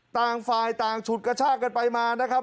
ต่างฝ่ายต่างฉุดกระชากกันไปมานะครับ